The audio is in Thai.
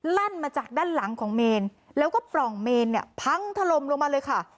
ลั่นมาจากด้านหลังของเมนแล้วก็ปล่องเมนเนี่ยพังถล่มลงมาเลยค่ะ